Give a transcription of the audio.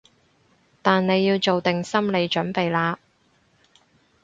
但你要做定心理準備喇